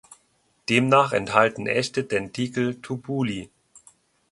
Demnach enthalten echte Dentikel Tubuli.